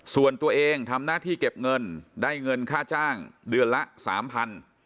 ส่วนตัวเองทำหน้าที่เก็บเงินได้เงินค่าจ้างเดือนละสามพัน